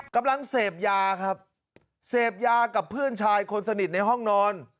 กำลังเสพยาครับเสพยากับเพื่อนชายคนสนิทในห้องนอน